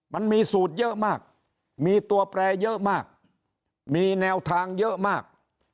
มันมีสูตรเยอะมากมีตัวแปรเยอะมากมีแนวทางเยอะมาก